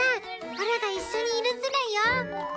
オラが一緒にいるズラよ。